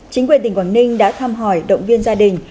chính quyền tỉnh quảng ninh đã thăm hỏi động viên gia đình